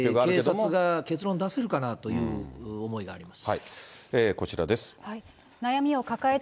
警察が結論出せるかなという思いがあります。